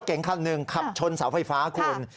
ก็เก่งข้างหนึ่งครับชนเสาไฟฟ้าคน